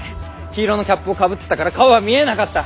黄色のキャップをかぶってたから顔は見えなかった。